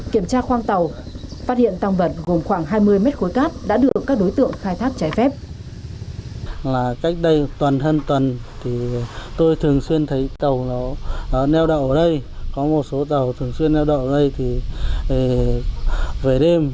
kiểm tra khoang tàu phát hiện tàu vật gồm khoảng hai mươi m ba cát đã được các đối tượng khai thác trái phép